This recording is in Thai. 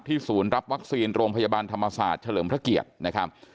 ศูนย์รับวัคซีนโรงพยาบาลธรรมศาสตร์เฉลิมพระเกียรตินะครับ